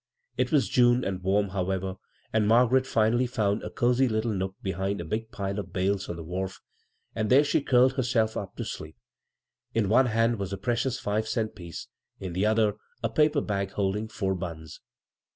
It was June, i warm, however, and Margaret finaJly foun cozy little nook behind a big pile of bales the wharf ; and there she curled herself to sleep. In one hand was the predotis £ cent piece ; in the other, a paper bag hold four buns.